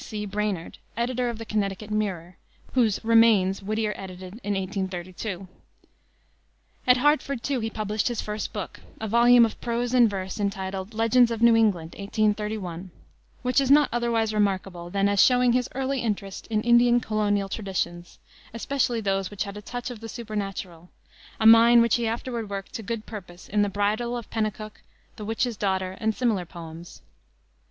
G. C. Brainard, editor of the Connecticut Mirror, whose "Remains" Whittier edited in 1832. At Hartford, too, he published his first book, a volume of prose and verse, entitled Legends of New England, 1831, which is not otherwise remarkable than as showing his early interest in Indian colonial traditions especially those which had a touch of the supernatural a mine which he afterward worked to good purpose in the Bridal of Pennacook, the Witch's Daughter, and similar poems.